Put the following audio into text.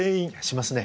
しますね。